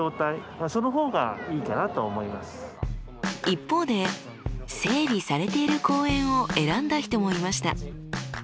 一方で整備されている公園を選んだ人もいました。